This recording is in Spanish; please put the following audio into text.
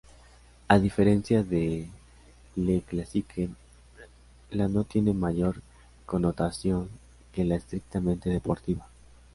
A diferencia de "Le Classique", la no tiene mayor connotación que la estrictamente deportiva.